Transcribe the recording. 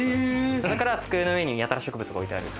だから机の上にやたら植物が置いてある。